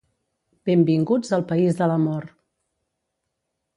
Benvinguts al país de l'amor.